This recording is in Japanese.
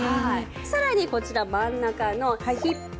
さらにこちら真ん中のヒップアップ